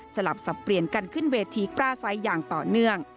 สลับสับเปลี่ยนกันขึ้นเวทีปราศัยอย่างต่อเนื่อง